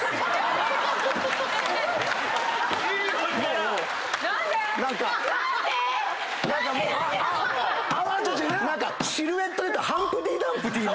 何かシルエットでいうとハンプティ・ダンプティみたいな。